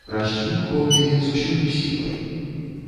Раздзьмухваў яе з усёю сілай.